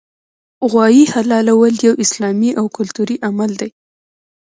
غوايي حلالول یو اسلامي او کلتوري عمل دی